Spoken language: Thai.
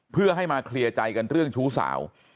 เพื่อให้มาเคลียร์ใจกันเรื่องชู้สาว